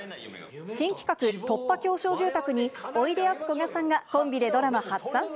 新企画、突破狭小住宅においでやす・こがさんがコンビでドラマ初参戦。